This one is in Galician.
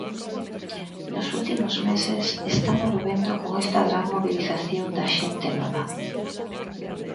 Nos últimos meses estámolo vendo con esta gran mobilización da xente nova.